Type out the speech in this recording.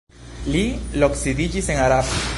Li loksidiĝis en Arad.